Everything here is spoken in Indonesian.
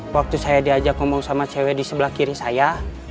waktu saya diajak ngomong sama cewek di sebelah kiri saya